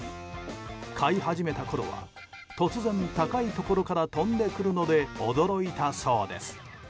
飼い始めたころは、突然高いところから飛んでくるので驚いたそうです。